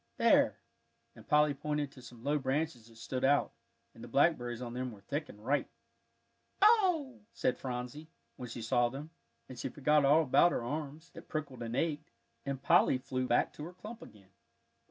There," and Polly pointed to some low branches that stood out; and the blackberries on them were thick and ripe. "Ooh!" said Phronsie, when she saw them; and she forgot all about her arms, that prickled and ached, and Polly flew back to her clump again.